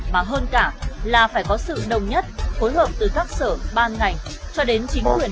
mà hơn cả là phải có sự đồng nhất phối hợp từ các sở ban ngành cho đến chính quyền